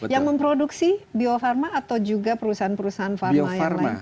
yang memproduksi bio farma atau juga perusahaan perusahaan farma yang lain